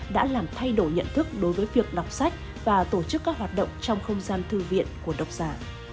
đã làm thay đổi nhận thức đối với việc đọc sách và tổ chức các hoạt động trong không gian thư viện của độc giả